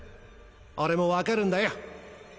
俺もわかるんだよ。